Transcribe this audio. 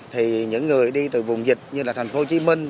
thì những người đi từ vùng dịch như là thành phố hồ chí minh